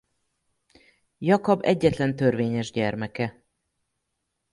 Jakab egyetlen törvényes gyermeke.